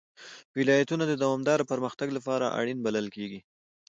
ولایتونه د دوامداره پرمختګ لپاره اړین بلل کېږي.